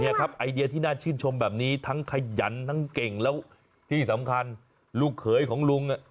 ครับไอเดียที่น่าชื่นชมแบบนี้ทั้งขยันทั้งเก่งแล้วที่สำคัญลูกเขยของลุง